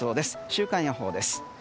週間予報です。